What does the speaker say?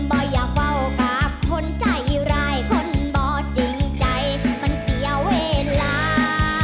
อย่าว่าวกับคนใจร้ายคนบ่จริงใจมันเสียเวลา